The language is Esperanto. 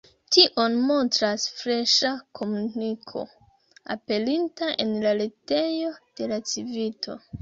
Tion montras freŝa komuniko, aperinta en la retejo de la Civito.